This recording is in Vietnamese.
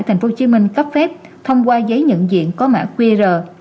tp hcm cấp phép thông qua giấy nhận diện có mã qr